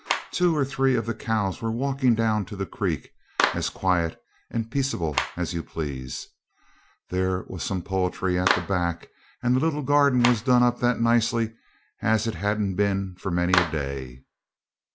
Two or three of the cows were walking down to the creek, as quiet and peaceable as you please. There was some poultry at the back, and the little garden was done up that nicely as it hadn't been for many a day.